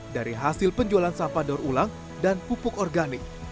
dari hasil penjualan sampah daur ulang dan pupuk organik